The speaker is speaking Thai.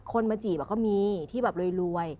คนมาจีบก็มีที่แบบรวย